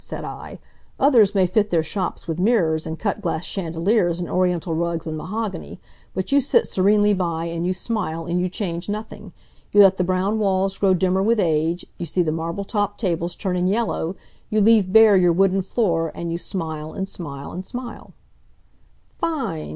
said I. "Others may fit their shops with mirrors, and cut glass chandeliers and Oriental rugs and mahogany, but you sit serenely by, and you smile, and you change nothing. You let the brown walls grow dimmer with age; you see the marble topped tables turning yellow; you leave bare your wooden floor, and you smile, and smile, and smile." "Fine!"